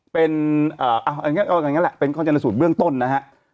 เป็นอย่างนั้นแหละเป็นข้อชนสูตรเบื้องต้นนะฮะ